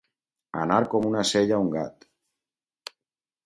Anar com una sella a un gat.